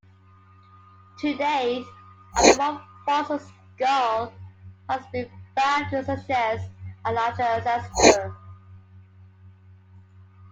To date, only one fossil skull has been found to suggest a larger ancestor.